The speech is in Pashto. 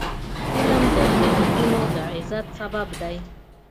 علم د ملتونو د عزت سبب دی.